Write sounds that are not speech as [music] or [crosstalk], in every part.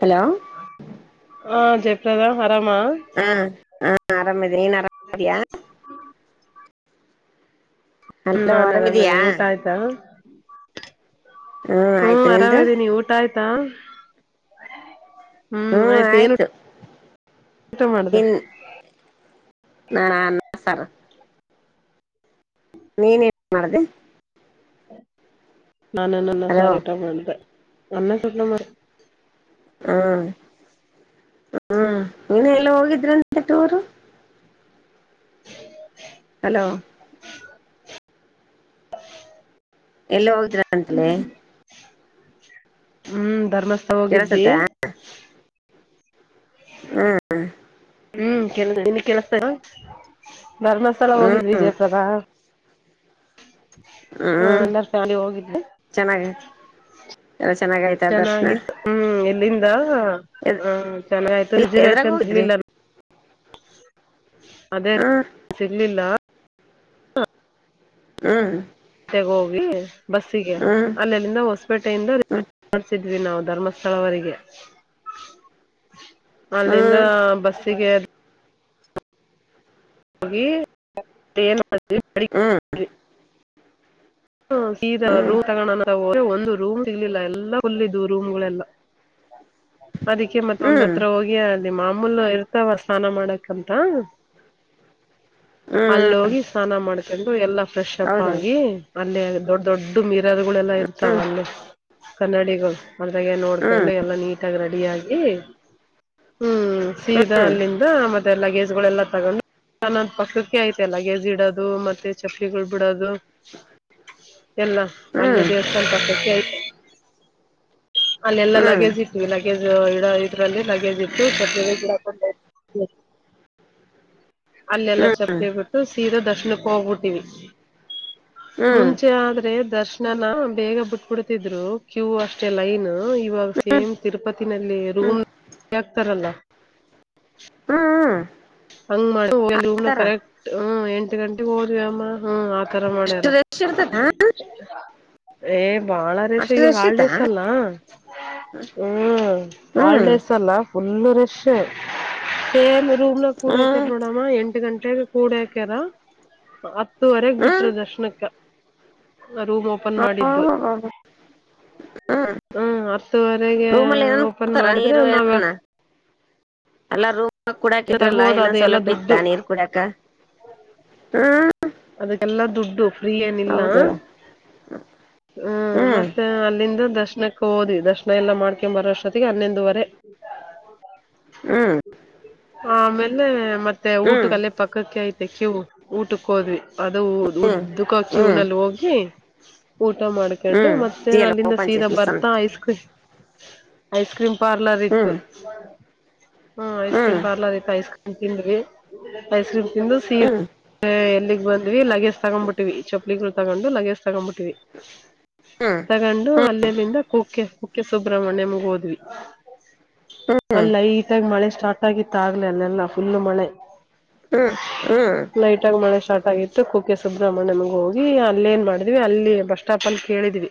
Hello ಹ ಜಯಪ್ರದಾ ಹಾ ಹ ಆರಾಮದೀ ಹ ಹ್ಮ್ ಹಲೋ ನಾನ್ ಆರಾಮಿದಿಯಾ ಆರಾಮದೇ ಊಟ ಆಯ್ತಾ ಹ್ಮ್ ಹ್ಮ ಆಯ್ತು ನಿಂದು ಆರಾಮದೀನಿ ಊಟ ಆಯ್ತಾ ಹ್ಮ್ ಆಯ್ತ ಏನ್ ಊಟ ಮಾಡ್ದ ನಾ ನನ್ನ ಸರ ನೀನ್ೇನ್ ಮಾಡ್ದ ನಾನ ನಾನ ಹಲೋ ಸಾರಟ ಮಾಡಿದೆ ಅನ್ನ ಸ್ವಪ್ನ ಮಾಡ ಹ್ಮ ಹ್ಮ್ ನೀನ ಎಲ್ಲ ಹೋಗಿದ್ರಂತೆ ಟೂರ್ ಹಲೋ ಎಲ್ಲಿ ಹೋಗದ್ರ ಅಂತಲ ಹ್ಮ್ ಧರ್ಮಸ್ಥ ಹೋಗಿದ್ವಿ ಕೇಳಸತ್ತ ಹ್ಮ್ ಹ ಹ್ಮ್ ಕೆಸ ಇನ್ನು ಕೆಲಸ ಧರ್ಮಸ್ಥಳ ಹೋಗಿದ್ವಿ ಹ್ಮ್ ವಿಜಯಪುರ ಹಾ ಹ್ಮ್ ಎ ನರ್ಸಳಿ ಹೋಗಿದೆ ಚೆನ್ನಾಗಯ್ತು ಎಲ್ಲ ಚೆನ್ನ ಚೆನ್ನಾಗಿತ್ತು ಹ್ಮ್ ಎಲ್ಲಿಂದ ಹ ಇಲ್ಲ ಚೆನ್ನಾಗಾಯ್ತು ಎದ್ರಾಗ ರಿಸರ್ವೇಶನ್ ಹೋಗಿದ್ರಿ ಸಿರ್ಲಿಲ್ಲ ಅದೇ ರೀ ಹ್ಮ್ ಸಿಡ್ಲಿಲ್ಲ ಹ್ಮ ಹೋಗಿ ಬಸ್ಸಿಗೆ ಅಲ್ಲಲ್ಲಿಂದ ಹೊಸ್ಪೇಟೆಯಿಂದ ಹ್ಮ್ ಮಾಡಸಿದ್ವಿ ನಾವು ಧರ್ಮಸ್ಥಳವರಿಗೆ ಅಲ್ಲಿಂದ ಬಸ್ಸಿಗೆ ಹೋಗಿ ಮಾಡ ಹ್ಮ್ ಹ ರೂಮ್ ತ ಒಂದು ರೂಮ್ ಸಿಗ್ಲಿಲ್ಲ ಎಲ್ಲಾು ರೂಮ್ಗಳೆಲ್ಲ ಹ ಅದಕ್ಕೆ ಮತ್ತ ಒಂದ್ ಹತ್ರ ಹೋಗಿ ನಿ ಮಾಮೂಲ್ ಇರ್ತಾವ ಸ್ನಾನ ಮಾಡಕ್ಂತ ಹ ಅಲ್ಲಿ ಹೋಗಿ ಸ್ನಾನ ಮಾಡ್ಕೊಂಡು ಎಲ್ಲ ಫ್ರೆಶ್ಪ್ ಹೌದು ಆಗಿ ಅಲ್ಲೇ ದೊಡ್ಡ ದೊಡ್ಡ ಮೀರಾದಗಳೆಲ್ಲಾ ಇರ್ತಾವ ಹ್ಮ್ ಅಲ್ಲಿ ಕನ್ನಡಿಗ ಮದಾಗ ಆತರ ನೋಡ್ಕೊಂಡು ಎಲ್ಲಾ ನೀಟಾಗಿ ರೆಡಿ ಆಗಿ ಹ್ಮ್ ಸೀದಾ ಅಲ್ಲಿಂದ ಮತ್ತೆ ಲಗೇಜ್ಗಳೆಲ್ಲಾ ತಗೊಂಡು ನನ್ನಂದ ಪಕ್ಕಕ್ಕೆ ಐತೆ ಎಲ್ಲ ಗಗೆದಿಡೋದು ಮತ್ತೆ ಚಪ್ಪಲಿಗಳು ಬಿಡೋದು ಎಲ್ಲ ಅನ್ಯ ದಿವಸ್ಥಾನ ಪರ್ತಕ್ಕೆಯ ಅಲ್ಲೆಲ್ಲಾ ಲಗೇಜ್ ಇಟ್ಟವಿ ಲಗೇಜ್ ಇಡ ಇದ್ರಲ್ಲಿ ಲಗೇಜ್ ಇಟ್ಟು ಹ್ಮ ಅಲ್ಲೆಲ್ಲಾ ಚಪ್ಪಲಿ ಬಿಟ್ಟು ಸೀರೆಾ ದರ್ಶನಕ್ಕೆ ಹೋಗ್ಬಿಟ್ಟಿವವಿ ಮುಂಚೆ ಆದ್ರೆ ದರ್ಶನಾನ ಬೇಗ ಬಿಟ್ಬಿಡ್ತಿದ್ರು ಕ್ಯೂ ಅಷ್ಟೇ ಲೈನ್ ಇವಾಗ ಸೇಮ್ ತಿರುಪತಿನಲ್ಲಿ ರೂಮ್ತಾರಲ್ಲ ಹಾ ಹಂಗ ಮಾಡ ಹನ ಕರೆಕ್ಟ್ ಹ್ಮ ಎಂಟು ಗಂಟೆಗೆ ಹೋದ್ವಿ ಅಮ್ಮ ಹ್ಮ ತರ ಅಷ್ಟು ಮಾಡ್ಯಾರ ರಶ್ ಇರ್ತದ ಏ ಬಾಳ ರೇಷಾ ಅಷ್ಟು ಇವಾಗ ರಶ್ ಇತ್ತ ಹಾಲ್ಡೇಸ್ ಅಲ್ಲ ಹ್ಮ್ ಹ್ಮ ಹಲ್ಿಡೇಸ್ ಅಲ್ಲ ಫುಲ್ಲ ರೆಶ ನ್ೂ ಕೂಡಾಕರ್ ಹ್ಮ್ ನೋಡಮ್ಮ ಎಂು ಗಂಟೆ ಟ್ಟೆಗೆ ಕೂಡ ಹಾಕ್ಯಾರ ಹತ್ತುವರೆಗ್ ಹ್ಮ್ ಬಿಟ್ರ ದರ್ಶನಕ್ಕ ರೂಮ್ ಓಪನ್ ಮಾಡಿದ್ದು ಹ್ಮ್ ಹ್ಮರ್ ಗೆ ರೂಮಲ್ಲಿ ಏನನ್ ಓಪನ್ ಕೊಡ್ತಾರ ಮಾಡಿದ್ರೆ ನಾವ ಅಲ್ಲಾ ರೂಮ್ ಕುಡಾಕಿದ್ರಲ್ಲಾ ತಗಬೋದ ಏನೋ ಅದ ಎಲ್ಲಾ ಸೌಲಭ್ಯ ದುಡ್ಡು ಇತ್ತ ನೀರ್ ಕುಡಾಕ ಹ್ಮ ಅದಕ್ಕೆಲ್ಲ ದುಡ್ಡು ೀ ಏನಿಲ್ಲ ಹೌದಳ ಹ್ಮ್ ಮತ್ತೆ ಅಲ್ಲಿಂದ ದಶ ದರ್ಶನಕ್ಕೆ ಹೋದ್ಿ ದರ್ಶನ ಎಲ್ಲ ಮಾಡ್ಕೊ್ ಬರೋಷ್ಟೊತ್ತಿಗೆ ಹನ್ನೊಂದುವರೆ ಹ್ಮ್ ಆಮೇಲೆ ಮತ್ತೆ ಹ್ಮ್ ಊಟಕ್ಕೆಲ್ಲೇ ಪಕ್ಕಕ್ಕೆ ಐತೆ ಕಿವು ಊಟಕ್ಕೆ ಹೋದ್ವಿ ಅದು ಹ್ಮ್ ಉದ್ದಕ ಹ್ಮ್ ಕ್ಯೂನಲ್ಲಿ ಹೋಗಿ ಊಟ ಮಾಡ್ಕೊಂಡು ಹ್ಮ್ ಮತ್ತೆ ತಿಯಲ್ಲ ಅಲ್ಲಿಂದ ಓಪನ್ ಚೇಸಿ ಸೀರೆಾ ಬರ್ತಾ ice cream ice cream parlour ಇತ್ತು ಹ್ಮ್ ಹ ಐಸ್ ಹ್ಮ್ ಕ್ರೀಮ್ ಪಾರ್ಲರ್ ಇತ್ತು ಐಸ್ ಕ್ರೀ ತಿಂದ್ರಿ ಐಸ್ ಕ್ರೀಮ್ ತಿಂದು ಹ್ಮ್ ಹ್ಮ್ ಸೀರೆ ಎಲ್ಲಿ ವಿ ಲಗೇಜ್ ತಗೊ್ಂಬ ಬಿಟ್ಟಿವವಿ ಚೊಪ್ಲಿಗಳು ತಗೊಂಡು ಲಗೇಜ್ ತಗೊ್ಂಬಿಟ್ಟಿವಿ ಹ್ಮ್ ತಗೊಂಡು ಅಲ್ಲಿಲ್ಲಿಂದ ಕುಕ್ಕೆ ಕುಕ್ಕೆ ಸುಬ್ರ್ಮಣ್ಯಂಗೆ ಹೋದ್ವಿ ಅಲ್ಲ ಈತಾಗ ಮಳೆ ಸ್ಟಾರ್ಟ್ ಆಗಿತ್ತು ಆಗ್ಲೆ ಅಲ್ಲೆಲ್ಲ ಫುಲ್ ಮಳೆ ಹ್ಮ್ ಹ್ಮ್ ಹ್ಮ್ ಲೈಟ್ ಆಗ ಮಳೆ ಸ್ಟಾರ್ಟ್ ಆಗಿತ್ತು ಮತ್ತ ಕುಕ ಸುಬ್ರಮಣ್ಯಂ ಹೋಗಿ ಅಲ್ಲ ಏನ್ ಮಾಡಿದ್ವಿ ಅಲ್ಲಿ ಬಸ್ ಸ್ಟಾಪ್ ಅಲ್ಲಿ ಕೇಳಿದ್ವಿ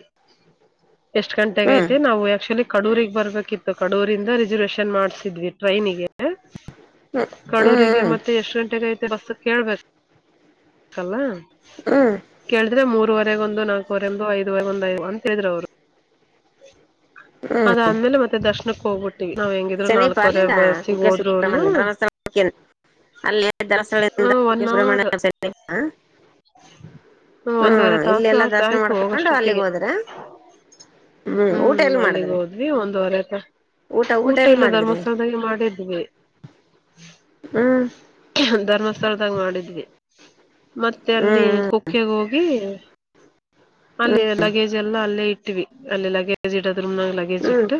ಎಷ್ಟ್ ಗಂಟೆಗ ಹ್ಮ್ ಐತೆ ನಾವು ಆಕ್ಚುಲಿ ಕಡೂರಿಗ್ ಬರ್ಬೇಕಿತ್ತು ಕಡೂರಿಂದ ರಿಸರ್ವೇಶನ್ ಮಾಡ್ಸಿದ್ವಿಟ್ಟು ಟ್ರೈನಿಗೆ ಹ್ಮ್ ಕಡೂರಿಗೆ ಹ್ಮ್ ಮತ್ತೆ ಎಷ್ಟ ಗಂಟೆಗೆ ಐತೆ ಬಸ್ ಕೇಳ್ಬೇಕ ಕಲ್ಲ ಹ್ಮ್ ಕೇಳಿದ್ರೆ ಮೂರವರೆಗೊಂದು ನಾಲ್ಕವರೆ ಒಂದು ಐದುವರೆಗೊಂದು ಐ ಅಂತ ಹೇಳ್ರ ಅವರು ಹ್ಮ್ ಅದಾದ್ಮೇಲೆ ಮತ್ತೆ ದರ್ಶನಕ್ಕೆ ಹೋಗ್ಬಿಟ್ಟು ನಾವ್ ಹೆಂಗಿದ್ರು ಸಮೀಪ ನಾಲ್ಕವರೆ ಅಲ್ಲೇನಾ ಬರ್ಸಗ್ ಕುಕ್ಕೆ ಹೋದ್ರುನ್ನು ಸುಬ್ರಹ್ಮಣ್ಯ ಧರ್ಮಸ್ಥಳ ಅಲ್ಲಿ ದರಸ್ಥಳದಿಂದ ಸುಬ್ರಹ್ಮಣ್ಯ ಹ್ಮ ಹ್ಮ್ ಒಂದೂುವರೆ ಇಲ್ಲಿ ತಾಸು ಎಲ್ಲಾ ಆಗ್ತ ದರ್ಶನ ಆಯ್ತು ಮಾಡ್ಕೊಂಡು ಅಲ್ಲಿಗೆ ಹೋಗಷ್ಟೊತ್ತಿಗೆ ಹೋದ್ರ ಊಟ ಹ್ಮ್ ಎಲ್ಲಿ ಅಲ್ಲಿಗೆ ಮಾಡಿದ್ರಿ ಹೋದ್ವಿ ಒಂದುವರೆತ ಊಟ ಊಟ ಎಲ್ಲಿ ಮಟ್ಟಲ್ಲ ಮಾಡಿದ್ರಿ ಧರ್ಮಸ್ಥಳದಾಗಿ ಮಾಡಿದ್ವಿ ಹ್ಮ್ ಧರ್ಮಸ್ಥಳದಾಗ್ ಮಾಡಿದ್ವಿ. ಮತ್ತೆ ಅಲ್ಲಿ ಹ್ಮ್ ಕುಕ್ಕೆಗ್ ಹೋಗಿ ಅಲ್ಲಿ ಲಗೇಜ್ ಎಲ್ಲ ಅಲ್ಲೇ ಇಟ್ವಿ ಅಲ್ಲಿ ಲಗೇಜ್ ಇಡ ರೂಮ್ ನಗ್ ಲಗೇಜ್ ಹ್ಮ್ ಹ್ಮ್ ಇಟ್ಟು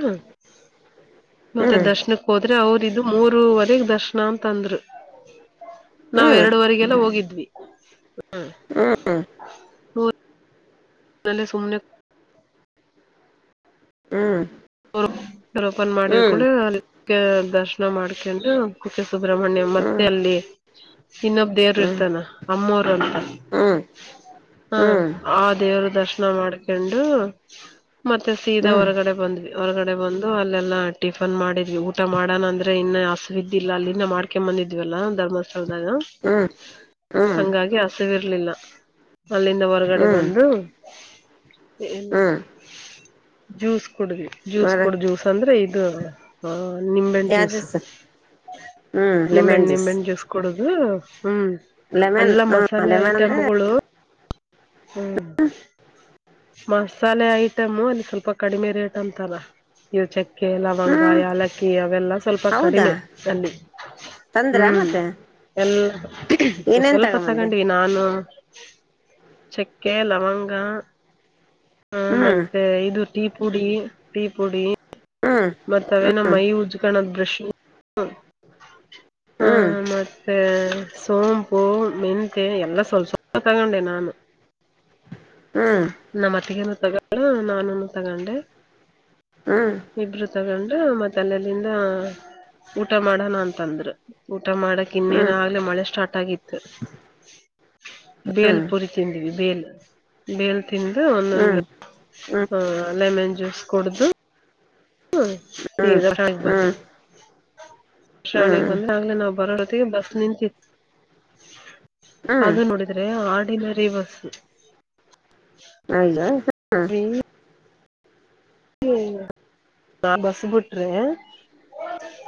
ಹ್ಮ್ ಮತ್ತೆ ಹ್ಮ್ ದರ್ಶನಕ್ಕೆ ಹೋದ್ರೆ ಅವ್ ಇದು ಮೂರವರೆಗೆ ದರ್ಶನ ಅಂತ ಅಂದ್ರು ನಾವ ಹ್ಮ್ ಹ್ಮ್ ಹ್ಮ್ ಹ್ಮ್ ಎರಡುವರೆಗೆಲ್ಲ ಹೊ ಗಿದ್ವಿ ಹ ಹ್ಮ್ ಹ್ಮ್ ಹ್ಮ್ ಹ್ಮ್ ಹ್ಮ್ ಹ್ಮ್ ಮೂ ತಲ್ಲೆ ಸುಮ್ನೆ ಅವ್ರ್ ಡೋರ್ ಓಪನ್ ಮಾಡಿದ್ ಹ್ಮ್ ಹ್ಮ್ ಕೂಡ್ಲೆ ಅಲ್ ದರ್ಶನ ಮಾಡ್ಕ್ಯಾಂಡು ಕುಕ್ಕೆ ಸುಬ್ರಹ್ಮಣ್ಯಂ ಮತ್ತೆ ಅಲ್ಲಿ ಇನ್ನೊಬ್ ದೇವ್ರು ಇರ್ತಾನ ಅಮ್ಮೋರು ಅಂತ ಹ ಹಾ ಆ ದೇವ್ರು ದರ್ಶನ ಮಾಡ್ಕ್ಯಂಡು ಮತ್ತೆ ಸೀದಾ ಹೊರಗಡೆ ಬಂದ್ವಿ. ಹೊರಗಡೆ ಬಂದು ಅಲ್ಲೆಲ್ಲಾ ಟಿಫನ್ ಮಾಡಿದ್ವಿ ಊಟ ಮಾಡೋಣ ಅಂದ್ರೆ ಇನ್ನ ಹಸುವಿದಿಲ್ಲ ಅಲ್ಲಿಂದ ಮಾಡ್ಕ್ಯ ಬನ್- ದಿದ್ವಲ್ಲ ಧರ್ಮಸ್ಥಳದಾಗ ಹ್ ಹಂಗಾಗಿ ಹಸುವಿರ್ಲಿಲ್ಲ ಅಲ್ಲಿಂದ ಹೊರಗಡೆ ಬಂದು ಏ ನು ಜ್ಯೂಸ್ ಕುಡುದ್ವಿ. ಜ್ಯೂಸ್ ಹ್ಮ್ ಕುಡ್ ಜ್ಯೂಸ್ ಅಂದ್ರೆ ಇದು ಹ ನಿಂಬೆಹಣ್ಣ್ ಜ್ಯೂಸ್ ಹ್ಮ್ ನಿಂಬೆಹಣ್ ಲೆಮನ್ ನಿಂಬೆಹಣ್ಣ್ ಜ್ಯೂಸ್ ಕುಡುದು ಹ್ಮ್ ಲೆಮನ್ ಅಲ್ಲ ಹ ಮಸಾಲೆ ಲೆಮನ್ ಅಂದ್ರೆ ಐಟಮ್ಗಳು ಹ್ಮ್ ಮಸಾಲೆ ಐಟಮು ಅಲ್ಲಿ ಸ್ವಲ್ಪ ಕಡಿಮೆ ರೇಟ್ ಅಂತಾರ. ಇವ್ ಚಕ್ಕೆ ಲವಂಗ ಹ್ಮ್ ಯಾಲಕ್ಕಿ ಅವೆಲ್ಲಾ ಸ್ವಲ್ಪ ಹೌದಾ ಕಡಿಮೆ ಅಲ್ಲಿ. ತಂದ್ರ ಹ್ಮ್ ಮತ್ತೆ ಎಲ್ಲ ಸ್ವ ಏನೇನ್ ಸ್ವಲ್ಪ ತಗೊಂಬಂದೆ ತಗೊಂಡ್ವಿ ನಾನು ಚಕ್ಕೆ ಲವಂಗ ಹ ಹ್ಮ್ ಮತ್ತೆ ಇದು ಟೀ ಪುಡಿ ಟೀ ಪುಡಿ ಹ್ಮ್ ಮತ್ತ್ ಅದೇನೋ ಹ್ಮ್ ಮೈ ಉಜ್ಕಣದ್ ಬ್ರಷು ಹಾ ಹ್ಮ್ ಮತ್ತೆ ಸೋಂಪು ಮೆಂತೆ ಎಲ್ಲಾ ಸ್ವಲ್ ಸ್ವಲ್ಪ್ ತಗೊಂಡೆ ನಾನು. ಹ್ಮ್ ನಮ್ಮ ಅತ್ತಿಗೆನು ತಗೋ ಳ ನಾನೂನು ತಗೊಂಡೆ. ಹ್ಮ್ ಇಬ್ರು ತಗೊಂಡ್ ಮತ್ತೆ ಅಲ್ಲಲ್ಲಿಂದ ಊಟ ಮಾಡೋಣ ಅಂತಂದ್ರು ಊ ಊಟ ಮಾಡಕ್ ಇನ್ನೇನ್ ಹ್ಮ್ ಹ್ಮ್ ಆಗ್ಲೇ ಮಳೆ ಸ್ಟಾರ್ಟ್ ಆಗಿತ್ತು. ಬೇಲ್ ಪುರಿ ತಿಂದ್ವಿ ಬೇಲ್ ಬೇಲ್ ತಿಂದು ಒನ್ನೊಂದು ಹ್ಮ್ ಹಾ ಲೆಮನ್ ಜ್ಯೂಸ್ ಕುಡ್ದು ಹ್ಮ್ ಹ್ಮ್ [unintelligible] ಬಲ್ಲಿ ಹ್ಮ್ ಟ್ರಾಣಿಗ್ ಬಂದ್ರೆ ಆಗ್ಲೆ ನಾವ್ ಬರೋ ಹೊತ್ತಿಗೆ ಬಸ್ ನಿಂತಿತ್ ಹ್ಮ್ ಅದು ನೋಡಿದ್ರೆ ಆರ್ಡಿನರಿ ಬಸ್. ಅಯ್ಯ ಹ ಹ ಹ್ಮ ನಾ ಬಸ್ ಬಿುಟ್ರೇ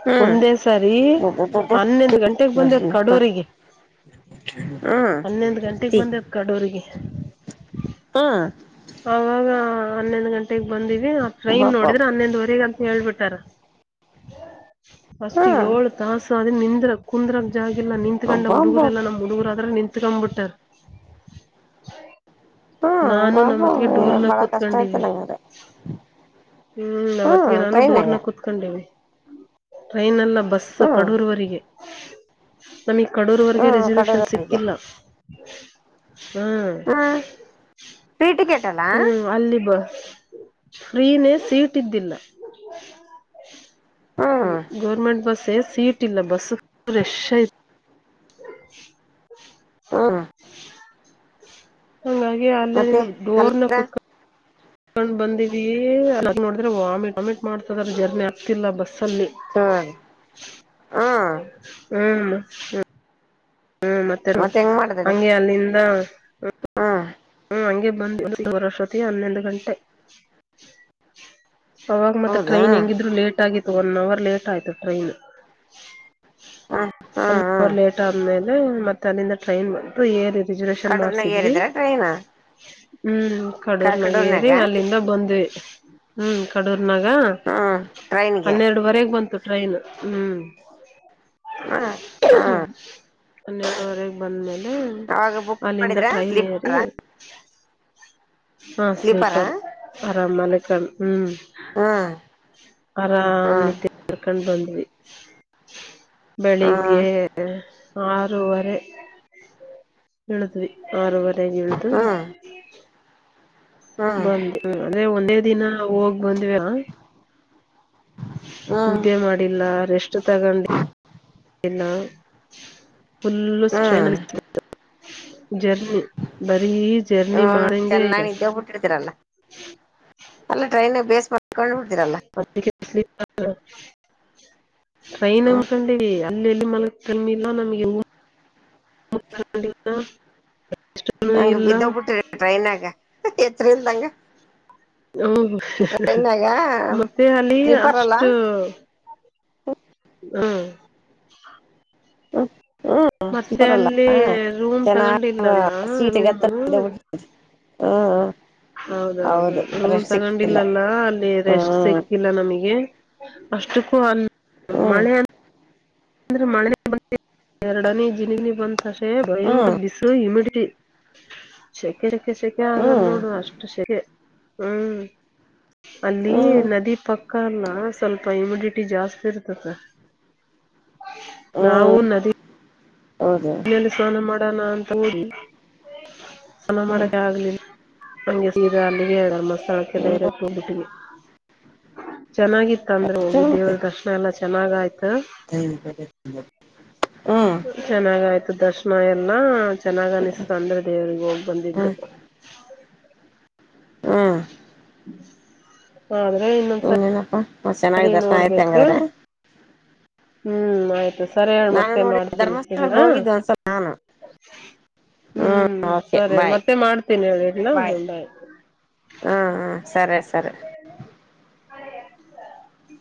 ಹ್ಮ್ ಒಂದೇ ಸರಿ ಅಬ್ಬಬ್ಬಬ್ಬಾ ಹನ್ನೊಂದು ಗಂಟೆಗೆ ಬಂದ್ ಅತ್ ಹ್ಮ್ ಕಡೂರಿಗೆ ಹನ್ನೊಂದ್ ಗಂಟೆಗೆ ತಿ ಬಂದತ್ ಕಡೂರಿಗೆ. ಹ್ಮ್ ಅವಾಗ ಹನ್ನೊಂದ್ ಗಂಟೆಗೆ ಬಂದಿ ಆ ಟ್ರೈನ್ ನೋಡಿದ್ರೆ ಅಬ್ಬಬ್ಬಬ್ಬಾ ಹನ್ನೊಂದುವರೆಗೆ ಅಂತ ಹೇಳ್ಬಿಟ್ಟಾರ. ಫಸ್ಟ್ ಹ್ಮ್ ಏಳು ತಾಸ್ ಆದ್ರೆ ನಿಂದ್ರ ಕುಂದ್ರಗ್ ಜಾಗ್ ಇಲ್ಲ ನಿತ್ಕೊಂಡ ಹುಡುಗರೆಲ್ಲ ಅಬ್ಬಬ್ಬಬ್ಬಾ ನಮ್ಮ್ ಹುಡುಗುರ್ ಆದ್ರ ನಿತ್ಕೊಂಡ್ಬಿಟ್ಟಾರ್. ಹ್ಮ್ ನಾನು ನಮ್ಮತ್ತಿಗೆ ಅಬ್ಬಬ್ಬಬ್ಬಾ ಡೋರ್ನಗ್ ಬಾಳ ಕಷ್ಟ ಕೂತ್ಕಂಡೀವಿ. ಆಯ್ತಲ್ಲ ಹಂಗಾರೆ ಹ್ಮ್ ನಮ್ ಅತ್ತಿಗೆ ನಾನು ಡೋರ್ನಗ್ ಕುತ್ಕೊಂಡಿವಿ. ಟ್ರೈನ್ ಎಲ್ಲ ಬಸ್ ಹ್ಮ್ ಕಡೂರ್ವರಿಗೆ ನಮ ಕಡೂರ್ವರ್ಗೆ ಹ್ಮ್ ರೆಿಸರ್ವೂಷನ್ ಕಡೂರವರೆಗೆ ಸಿಕ್ಕಿಲ್ಲ ಹ್ಮ ಪ್ರೀಟ ಕೇಟಲ್ಲಾ ಫ್ರೀನೇ ಸೀಟ್ ಇದ್ದಿಲ್ಲ ಹ್ಮ್ ಗೌರ್ಮೆಂಟ್ ಬಸ್ಸೇ ಸೀಟ್ ಇಲ್ಲ ಬಸ್ ್ರೆಶ್ ಹ್ಮ್ ಹಂಗಾಗಿ ಅಲ್ಲೇ ಮತ್ತೆ ಅಲ್ಲ ಡೋರ್ನ ಕುೂತ್ಕೊಂಡ ಕಕೊಂಡ್ ಬಂದೀವಿದ ನೋಡಿದ್ರೆ ವಾಮಿಟ್ ವಾಮಿಟ್ ಮಾಡ್ತದ್ರ ಜರ್ನಿ ಆಗ್ತಿಲ್ಲ ಬಸ್ ಸನ್ನಿ ಹ್ಮ್ ಹ್ಮ್ ಹ್ಮ ಹ್ಮ್ ಮತ್ತೆ ಹೆಂಗ್ ಮಾಡಿದಿರಿ ಹಂಗೆ ಅಲ್ಲಿಂದ ಹ್ಮ ಹ್ಮ್ ಹಂಗೆ ಬಂದು ವರ್ಷೊತ್ತ ಹನ್ನೊಂದು ಗಂಟೆ ಅವಾಗ ಮತ್ತೆ ಹೌದಾ ಟ್ರೈನ್ ಹೆಂಗಿದ್ರು ಲೇಟ್ ಆಗಿತ್ತು ಒನ್ ಅವರ್ ಲೇಟ್ ಆಯ್ತು ಟ್ರೈನ್ ಹ್ಮ್ ಹ್ಮ್ ಒನ್ ಹ್ಮ್ ಅವರ್ ಲೇಟ್ ಆದ್ಮೇಲೆ ಮತ್ತೆ ಅಲ್ಲಿಂದ ಟ್ರೈನ್ ಬಂತು ಏ ರೆಜುರೇಷನ್ ಕಡೂರ್ನಾಗ ಮಾಡ್ಸಿದ್ವಿ ಏರಿದ್ರ ಟ್ರೈನ್ ಹ್ಮ್ ಕಡೂರ್ನಾಗಏರಿ ಕಡೂರ್ನಾಗ ಅಲ್ಲಿಂದ ಬಂದ್ವಿ ಹ್ಮ್ ಕಡೂರ್ ನನಾಗ ಹ್ಮ್ ಟ್ರೈನ್ಗೆ ಹನ್ನೆರಡುುವರೆಗ್ ಬಂತು ಟ್ರೈನ್ ಹ್ಮ್ ಹ್ಮ ಹ್ಮ ಹನ್ನೆರಡುವರೆಗೆ ಬಂದ್ಮೇಲೆ ಅವಾಗ ಬುಕ್ ಅಲ್ಲಿಂದ ಮಾಡಿದ್ರ ಟ್ರೈನ್ ತ್ತ ಸ್ಲೀಪರ ಹ ಹಾ ಸ್ಲೀಪರ ಸ್ಲೀಪರ್ ಆರಾಮಲೆ ಕ ಹ್ಮ್ ಹ್ಮ್ ಆರಾಮ್ ಹ್ಮ್ ನಿದ್ದೆ ಕರ್ಕಂಡ್ ಬಂದ್ವಿ ಹ್ಮ್ ಬೆಳಿಗ್ಗೆ ಆರೂವರೆ ಹೇಳಿದ್ವಿ ಆರೂವರೆ ಎಳದು ಹ್ಮ್ ಹ್ಮ್ ಹ್ಮ್ ಬಂದ ಅಂದ್ರೆ ಒಂದೇ ದಿನ ಹೋಗ್ ಬಂದ್ವಿ ಹ್ಮ್ ಇದೇ ಮಾಡಿಲ್ಲ ರೆಷ್ಟ ಷ್ಟ ತಗೊಂಡು ಫುಲ್ಲ ಸ್ಟ್ರೈನ್ಲ್ಲಿ ಜರ್ಲಿಿ ಬರೀ ಜರ್ನಿ ಹ್ಮ್ ಮಾಡಂಗೆ ಚೆನ್ನಾಗ ಇದೆ ಇದೇ ಬಿಟ್ಟಿಡ್ತೀರಲ್ಲ ಅಲ್ಲ ಟ್ರೈನ್ ಬೇಸ್ ಮಾಡ್ಕೊಂಡ್ ಬಿಡ್ತೀರಲ್ಲ ಹಲ ಟ್ರೈನ್ ಹ್ಮ್ ನಮೊಂಡ ಅಲ್ಲ ಎಲ್ಲಿ ಮಲಗ್ ಕಮ್ಮಿ ಇಲ್ಲ ನಮಗೆ ನು ನಂಗಗೆ ಇಲ್ಲ ಬಿದ್ದ್ಬಿಟ್ಟಿ್ರ ಟ್ರೈನ್ ಆಾಗ ಎತ್ ಇಲ್ದಂಗ ಓ ಮತ್ತೆ ಅಲ್ಲಿ ಅಷ್ಟು ಹ ಹ್ಮ್ ಹ್ಮ ಹ್ಮ್ಪರಲ್ಲ ಹ ರೂಮ್ ಚೆನ್ನ ತಗೊಂಡಿಲ್ಲಲ್ಲ ರೂಮು ಸೀಟತ್ತ ಹ್ಮ್ ಹ್ಮ ಹೌದೌದೌದು ರೂಮ್ ತಗೊಂಡಿಲ್ಲಲ್ಲ ಅಲ್ಲಿ ರೆಸ್ಟ್ ಹ್ಮ್ ಸಿಕ್ಕಿಲ್ಲ ನಮಗೆ ಅಷ್ಟಕ್ಕೂ ಅ ಹ್ಮ್ ಮಳೆಂದ್ರ ಮ ಎರಡನೇ ಜಿನಿನಿ ಬಂದ ತಸೆ ಹ್ಮ್ ಭಯಂಕರ ಬಿಸ ಇಮಿಡಿಟಿ ಸೆಕೆ ಸೆಖೆ ಸೆಖೆ ಆಗಾದ ಹ್ಮ್ ನೋಡು ಅಷ್ಟು ಸೆಕೆ ಹ್ಮ್ ಅಲ್ಲಿ ಹ್ಮ್ ನದಿ ಪಕ್ಕ ಕಲ್ಲ ಸ್ವಲ್ಪ ಇಮಿಡಿಟಿ ಜಾಸ್ತಿ ಇರ್ತದೆ ನಾವು ಹ್ಮ್ ನದಿ ಹೌದು ಮನೆಯಲ್ಲಿ ಸ್ನಾನ ಮಾಡೋಣ ಅಂತ ಓಡಿ ಸ್ನಾನ ಹ್ಮ್ ಮಾಡಕ ಆಗ್ಲಿಲ್ಲ ಹಂಗೆ ಸೀರಾ ಅಲ್ಲಿಗೆಾಮ ಸ್ಥಳಕ್ಕೆ ಡೈರೆಕ್ಟ್ ಹೋಗ್ಬಿಟ್ಟಿಗೆ ಚೆನ್ನಾಗಿತ್ತು ಅಂದ್ರೆ ಹೋಗಿ ಮತ್ತೆ ದೇವ್ರ ದರ್ಶನ ಎಲ್ಲ ಚೆಾಗ್ ಆ್ತು ಹ್ಮ್ ಆಯ್ತು ದರ್ಶನ ಎಲ್ಲಾ ಚೆನ್ನಾಗ್ ಅನಿಸ್ತಾ ಅಂದ್ರೆ ದೇವ್ರಿಗೆ ಹೋಗ್ ಬಂದಿದ್ದು ಹ್ಮ್ ಆದ್ರೆ ಇನ್ನೊ ಸರಿ ಹ ಚೆನ್ನಾಗಿ ದರ್ಶನ ಐತಿ ಹಂಗಾದ್ರೆ ಹ್ಮ್ ಆಯ್ತು ಸರಿ ಹೇಳ ನಾನು ಮತ್ತೆ ನೋಡಿ ಮಾಡ್ತೀನಿ ಇಲ್ ಧರ್ಮಸ್ಥಳಕ್ಕೆ ಹ್ಮ ೆ ಸರಿ ಹೇಳಿ ಬಾಯ್ ಮತ್ತೆ ಮಾಡ್ತೀನಿ ಹೇಳಿ ಇಲ್ಲ ಬಾಯ್ ಹ್ಮ ಹ್ಮ ಸರಿ ಸರಿ ಅ